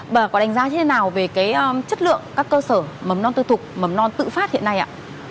bà có đánh giá như thế nào về chất lượng các cơ sở mầm non tư thục mầm non tự phát hiện nay ạ